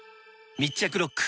密着ロック！